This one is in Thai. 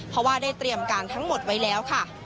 เพราะว่าได้เตรียมการทั้งหมดไว้แล้วค่ะ